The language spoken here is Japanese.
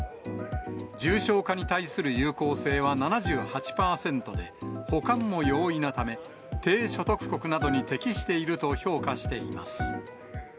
重症化に対する有効性は７８％で、保管も容易なため、低所得国などに適していると評価しています。